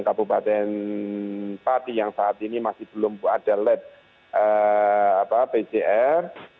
kabupaten pati yang saat ini masih belum ada lab pcr